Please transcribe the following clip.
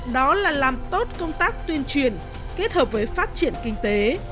đó là làm tốt công tác tuyên truyền kết hợp với phát triển kinh tế